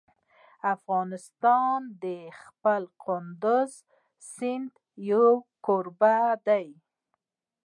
افغانستان د خپل کندز سیند یو کوربه دی.